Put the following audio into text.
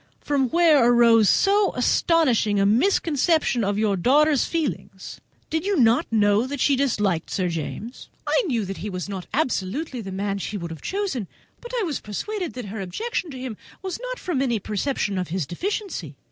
from whence arose so astonishing a misconception of your daughter's feelings? Did you not know that she disliked Sir James?" "I knew that he was not absolutely the man she would have chosen, but I was persuaded that her objections to him did not arise from any perception of his deficiency.